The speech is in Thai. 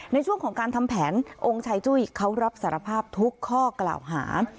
ในช่วงของการทำแผนองค์ชายจุ้ยเขารับสารภาพทุกข้อกล่าวหา